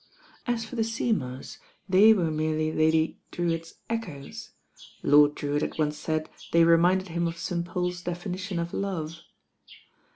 As for the Seymours, they were merely Lady Drewitt s echoes. Lord Drewitt had once said they reminded him of St. Paul's definition of love.